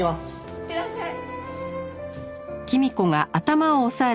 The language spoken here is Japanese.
いってらっしゃい！